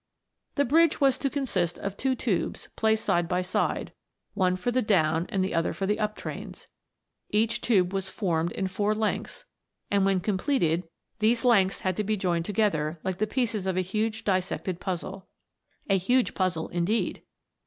The bridge was to consist of two tubes, placed side by side, one for the down and the other for the up trains. Each tube was formed in four lengths, and when completed these lengths had to be joined together, like the pieces of a huge dissected puzzle. A huge puzzle, indeed